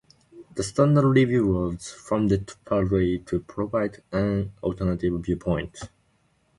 "The Stanford Review" was founded partly to provide an alternative viewpoint.